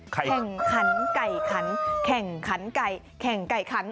แข่งขันไก่ขันแข่งขันไก่แข่งไก่ขัน